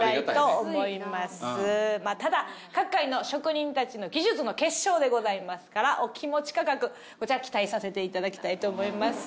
ただ各界の職人たちの技術の結晶でございますからお気持ち価格こちら期待させていただきたいと思います。